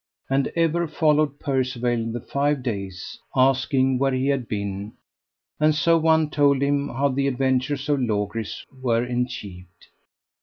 And ever followed Percivale the five days, asking where he had been; and so one told him how the adventures of Logris were enchieved.